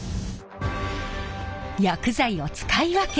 薬剤を使い分け